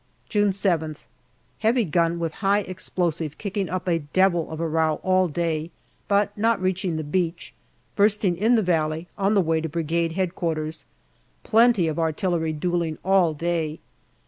June 7th. Heavy gun with high explosive kicking up a devil of a row all day, but not reaching the beach, bursting in the valley on the way to Brigade H.Q. Plenty of artillery duelling all day.